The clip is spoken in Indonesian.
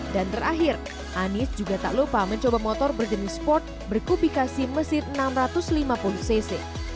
dan terakhir anies juga tak lupa mencoba motor berjenis sport berkubikasi mesin enam ratus lima puluh cc